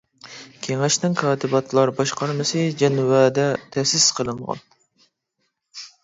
كېڭەشنىڭ كاتىباتلار باشقارمىسى جەنۋەدە تەسىس قىلىنغان.